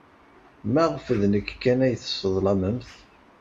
Maɣef d nekk kan ay tesseḍlamemt?